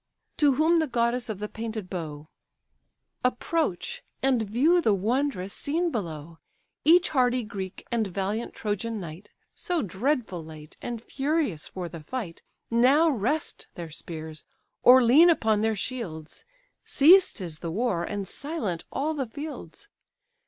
To whom the goddess of the painted bow: "Approach, and view the wondrous scene below! Each hardy Greek, and valiant Trojan knight, So dreadful late, and furious for the fight, Now rest their spears, or lean upon their shields; Ceased is the war, and silent all the fields.